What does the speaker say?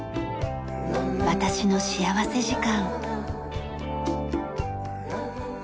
『私の幸福時間』。